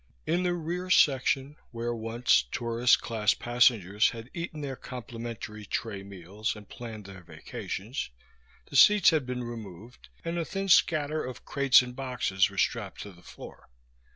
In the rear section, where once tourist class passengers had eaten their complimentary tray meals and planned their vacations, the seats had been removed and a thin scatter of crates and boxes were strapped to the floor.